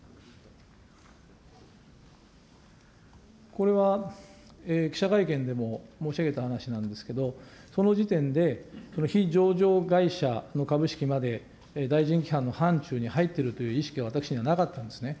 これは記者会見でも申し上げた話なんですけど、その時点でその非上場会社の株式まで、大臣規範の範ちゅうに入ってるという意識は私にはなかったんですね。